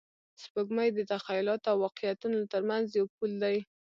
سپوږمۍ د تخیلاتو او واقعیتونو تر منځ یو پل دی